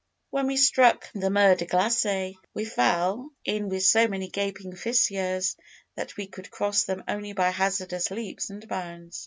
When we struck the Mer de Glace, we fell in with so many gaping fissures that we could cross them only by hazardous leaps and bounds.